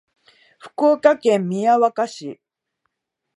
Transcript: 福岡県宮若市